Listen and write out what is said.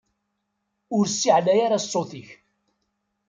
Ur ssiεlay ara ssut-ik!